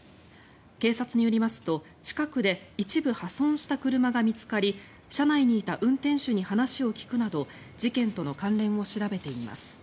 警察によりますと、近くで一部破損した車が見つかり車内にいた運転手に話を聞くなど事件との関連を調べています。